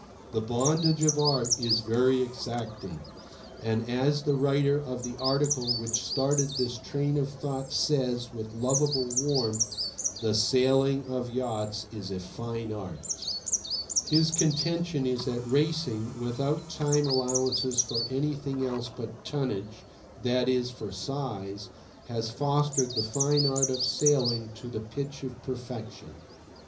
The bondage of art is very exacting. And, as the writer of the article which started this train of thought says with lovable warmth, the sailing of yachts is a fine art. His contention is that racing, without time allowances for anything else but tonnage—that is, for size—has fostered the fine art of sailing to the pitch of perfection.